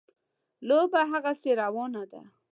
لوبه هغسې روانه ده.